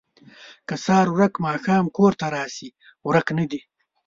ـ که د سهار ورک ماښام کور ته راشي ورک نه دی